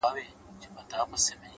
پوهه د انتخابونو کیفیت لوړوي,